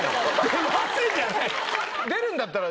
「出ません」じゃない。